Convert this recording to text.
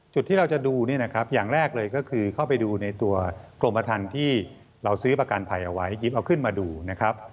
ที่เราจะดูเนี่ยนะครับอย่างแรกเลยก็คือเข้าไปดูในตัวกรมประทันที่เราซื้อประกันภัยเอาไว้ยิบเอาขึ้นมาดูนะครับ